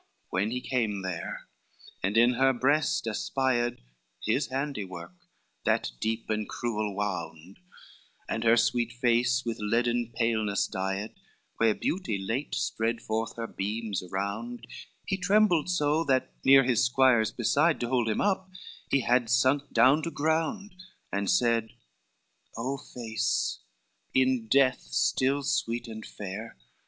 LXXXI When he came there, and in her breast espied His handiwork, that deep and cruel wound, And her sweet face with leaden paleness dyed, Where beauty late spread forth her beams around, He trembled so, that nere his squires beside To hold him up, he had sunk down to ground, And said, "O face in death still sweet and fair!